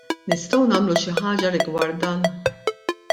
Nistgħu nagħmlu xi ħaġa rigward dan?